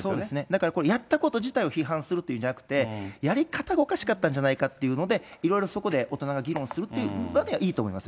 だからやったこと自体を批判するんじゃなくて、やり方がおかしかったんじゃないかっていうことで、いろいろそこで大人が議論するというのはいいと思います。